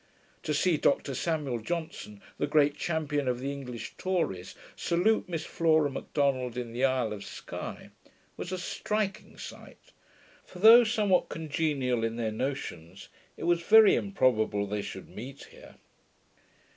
To see Dr Samuel Johnson, the great champion of the English Tories, salute Miss Flora Macdonald in the isle of Sky, was a striking sight; for though somewhat congenial in their notions, it was very improbable they should meet here.